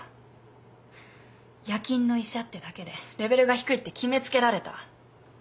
夜勤の医者ってだけでレベルが低いって決め付けられた。